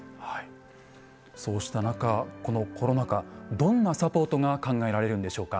そうした中このコロナ禍どんなサポートが考えられるんでしょうか。